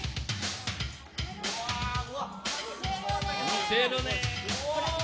見せるねえ。